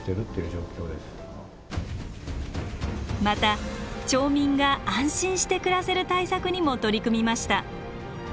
また町民が安心して暮らせる対策にも取り組みました。